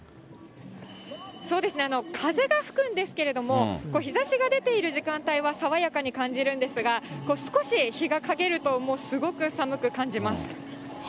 そうですね、風が吹くんですけれども、日ざしが出ている時間帯は爽やかに感じるんですが、少し日がかげると、もうすごく寒く感じます。